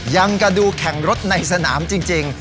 ยังกระดูแข่งรถในสนามจริง